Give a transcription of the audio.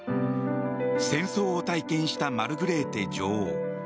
戦争を体験したマルグレーテ女王。